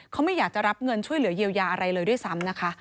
เขาไม่อยากจะรับเงินช่วยเหลือเยียวยาอะไรเลยด้วยซ้ำนะคะ